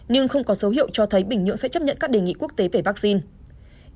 nhưng không có dấu hiệu cho thấy bình nhưỡng sẽ chấp nhận các đề nghị quốc tế về vaccine